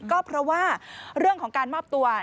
ก็เพราะว่าเรื่องของการมอบตัว